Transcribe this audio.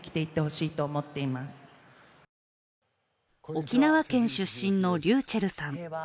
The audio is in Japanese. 沖縄県出身のｒｙｕｃｈｅｌｌさん。